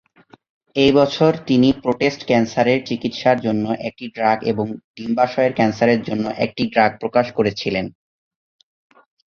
একই বছর, তিনি প্রোস্টেট ক্যান্সারের চিকিৎসার জন্য একটি ড্রাগ এবং ডিম্বাশয়ের ক্যান্সারের জন্য একটি ড্রাগ প্রকাশ করেছিলেন।